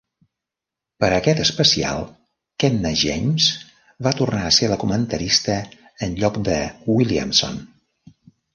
Per a aquest especial Kenna James va tornar a ser la comentarista enlloc de Williamson.